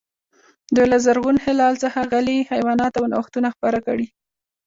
دوی له زرغون هلال څخه غلې، حیوانات او نوښتونه خپاره کړي.